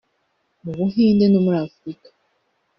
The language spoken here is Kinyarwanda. mu Buhinde no muri Afurika